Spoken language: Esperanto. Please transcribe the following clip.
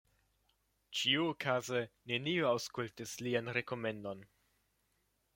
Ĉiuokaze neniu aŭskultis lian rekomendon.